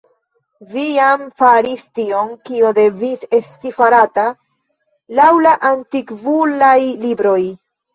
Vi jam faris tion, kio devis esti farata laŭ la Antikvulaj Libroj.